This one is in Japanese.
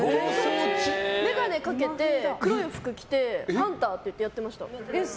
眼鏡かけて黒い服着てハンターって言ってやってました。